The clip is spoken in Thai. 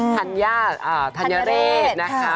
ธัญญาธัญเรศนะคะ